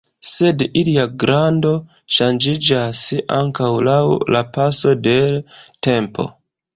Sed ilia grando ŝanĝiĝas ankaŭ laŭ la paso de l' tempo.